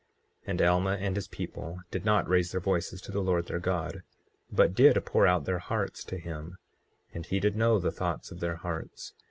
24:12 And Alma and his people did not raise their voices to the Lord their God, but did pour out their hearts to him; and he did know the thoughts of their hearts.